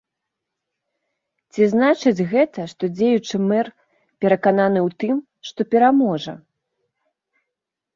Ці значыць гэта, што дзеючы мэр перакананы ў тым, што пераможа?